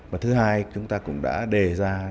và thứ hai chúng ta cũng đã đề ra